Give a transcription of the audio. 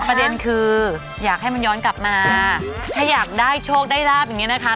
ประเด็นคืออยากให้มันย้อนกลับมาถ้าอยากได้โชคได้ราบอย่างนี้นะคะ